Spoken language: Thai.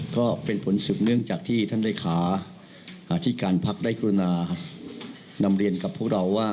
ก็เป็นผลสืบเนื่องจากที่ท่านเลขาที่การพักได้กรุณานำเรียนกับพวกเราว่า